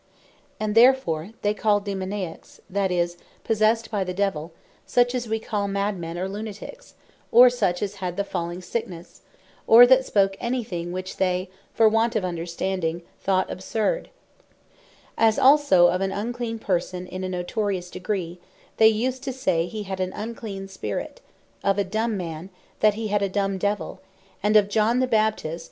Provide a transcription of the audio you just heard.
And therefore, they called Daemoniaques, that is, possessed by the Devill, such as we call Madmen or Lunatiques; or such as had the Falling Sicknesse; or that spoke any thing, which they for want of understanding, thought absurd: As also of an Unclean person in a notorious degree, they used to say he had an Unclean Spirit; of a Dumbe man, that he had a Dumbe Devill; and of John Baptist (Math. 11. 18.)